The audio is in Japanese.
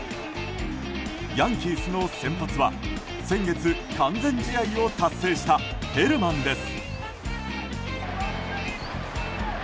ヤンキースの先発は先月完全試合を達成したヘルマンです。